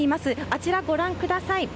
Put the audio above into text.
あちら、ご覧ください。